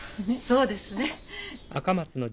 そうですね！